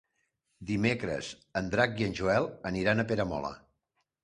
Dimecres en Drac i en Joel aniran a Peramola.